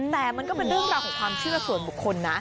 แต่มันก็เป็นเรื่องราวของความเชื่อส่วนบุคคลนะ